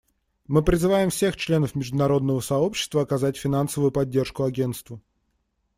Мы призываем всех членов международного сообщества оказать финансовую поддержку Агентству.